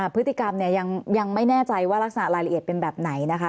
พฤติกรรมยังไม่แน่ใจว่ารักษณะรายละเอียดเป็นแบบไหนนะคะ